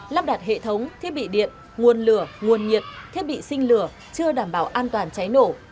lắp đặt hệ thống thiết bị điện nguồn lửa nguồn nhiệt thiết bị sinh lửa chưa đảm bảo an toàn cháy nổ